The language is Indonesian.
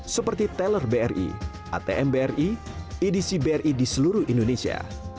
seperti teller bri atm bri edc bri di seluruh indonesia